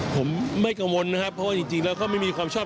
สู่ศาสนครับที่เดี๋ยวแขกก็ไม่มีใครประกาศ